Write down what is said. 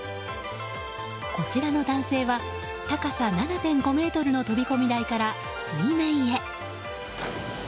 こちらの男性は高さ７．５ｍの飛込台から水面へ。